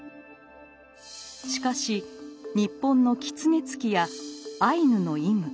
しかし日本の「キツネツキ」やアイヌの「イム」